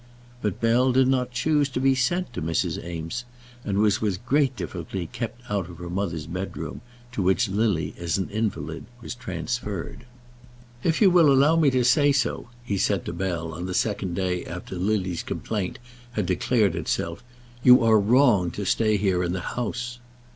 But Bell did not choose to be sent to Mrs. Eames's, and was with great difficulty kept out of her mother's bedroom, to which Lily as an invalid was transferred. "If you will allow me to say so," he said to Bell, on the second day after Lily's complaint had declared itself, "you are wrong to stay here in the house."